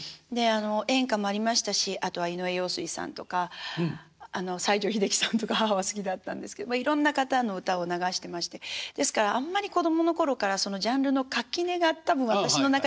演歌もありましたしあとは井上陽水さんとか西城秀樹さんとか母は好きだったんですけどいろんな方の歌を流してましてですからあんまり子供の頃からジャンルの垣根が多分私の中にもなかったと思うんです。